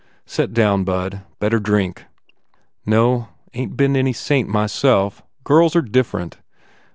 "Set down, bud. Better drink " "No. Ain t been any saint, myself. Girls are different.